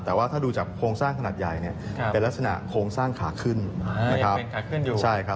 แต่ว่าถ้าดูจากโครงสร้างขนาดใหญ่เนี่ยเป็นลักษณะโครงสร้างขาขึ้นนะครับ